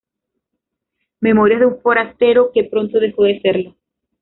Memorias de un forastero que pronto dejó de serlo".